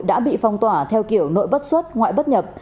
đã bị phong tỏa theo kiểu nội bất xuất ngoại bất nhập